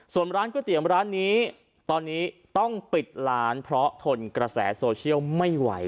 ส่วนร้านก๋วยเตี๋ยวร้านนี้ตอนนี้ต้องปิดร้านเพราะทนกระแสโซเชียลไม่ไหว